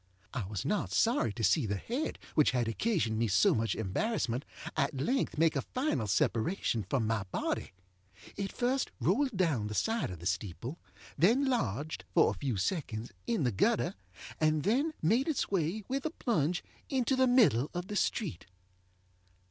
I was not sorry to see the head which had occasioned me so much embarrassment at length make a final separation from my body. It first rolled down the side of the steeple, then lodge, for a few seconds, in the gutter, and then made its way, with a plunge, into the middle of the street.